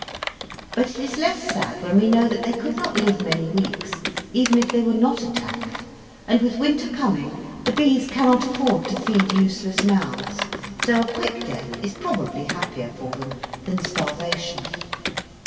But it is less sad when we know that they could not live many weeks, even if they were not attacked, and, with winter coming, the bees cannot afford to feed useless mouths, so a quick death is probably happier for them than starvation.